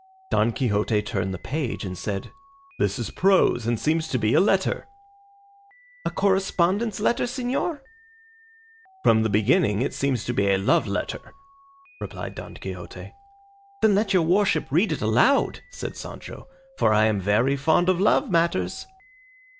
Don Quixote turned the page and said, "This is prose and seems to be a letter." "A correspondence letter, señor?" "From the beginning it seems to be a love letter," replied Don Quixote. "Then let your worship read it aloud," said Sancho, "for I am very fond of love matters."